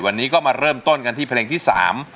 วันนี้ก็มาเริ่มต้นกันที่เพลงที่สาม